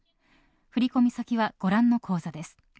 振込先はご覧の口座です。